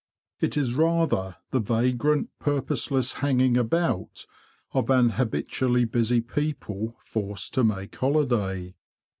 It is rather the vagrant, purpose less hanging about of an habitually busy people forced to make holiday.